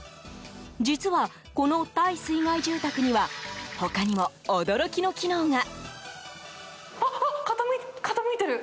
実は、この耐水害住宅には他にも驚きの機能が。